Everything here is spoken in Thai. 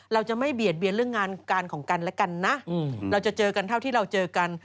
เราจะไม่เบียดเบียนเรื่องงานการของกันและกันนะเราจะเจอกันเท่าที่เราเจอกัน